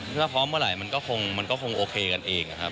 ถ้าพร้อมเมื่อไหร่มันก็คงโอเคกันเองนะครับ